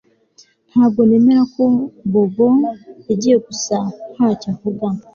Ntabwo nemera ko Bobo yagiye gusa ntacyo avuga